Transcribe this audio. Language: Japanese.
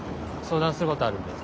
相談することあるんで。